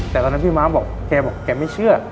แต่ตอนนั้นพี่ม้าบอกแกบอกแกไม่เชื่อ